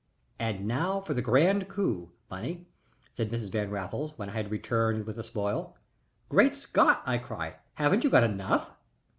"And now for the grand coup, Bunny," said Mrs. Van Raffles, when I had returned with the spoil. "Great Scot!" I cried. "Haven't you got enough?"